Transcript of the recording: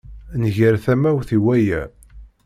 Nger tamawt i waya.